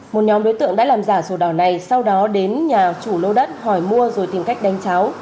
một nhóm đối tượng đã làm giả sổ đỏ này sau đó đến nhà chủ lô đất hỏi mua rồi tìm cách đánh cháu